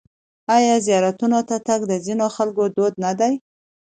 آیا زیارتونو ته تګ د ځینو خلکو دود نه دی؟